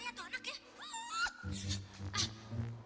ikut aja ya dorang